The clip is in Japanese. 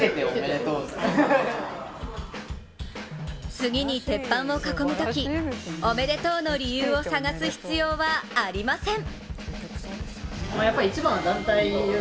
次に鉄板を囲むとき、おめでとうの理由を探す必要はありません。